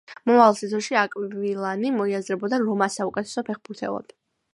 მომავალ სეზონში აკვილანი მოიაზრებოდა რომას საუკეთესო ფეხბურთელად.